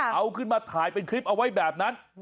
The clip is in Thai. เอาขึ้นมาถ่ายเป็นคลิปเอาไว้แบบนั้น